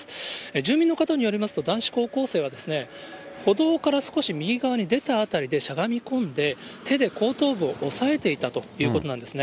住民の方によりますと、男子高校生は、歩道から少し右側に出た辺りでしゃがみこんで、手で後頭部を押さえていたということなんですね。